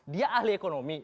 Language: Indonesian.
dia ahli ekonomi